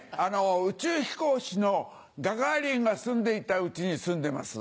宇宙飛行士のガガーリンが住んでいた家に住んでます。